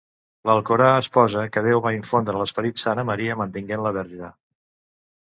L'Alcorà exposa que Déu va infondre l'Esperit Sant a Maria mantenint-la verge.